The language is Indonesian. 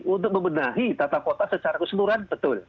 untuk membenahi tata kota secara keseluruhan betul